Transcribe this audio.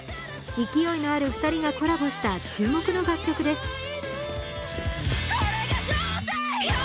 勢いのある２人がコラボした注目の楽曲です。